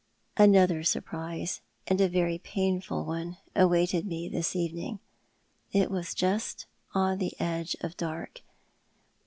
251 Another surprise, and a very painful one, awaited me this evening. It was just on the edge of dark.